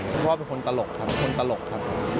พ่อเป็นคนตลกครับเป็นคนตลกครับ